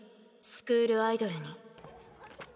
スクールアイドルに。